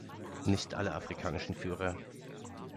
Nicht alle afrikanischen Führer.